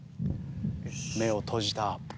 目を閉じた。